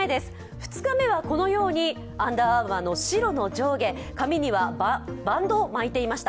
２日目はアンダーアーマーの白の上下、髪には、バンドを巻いていました。